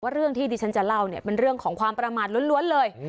เรื่องที่ดิฉันจะเล่าเนี่ยเป็นเรื่องของความประมาทล้วนเลย